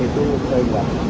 itu baik banget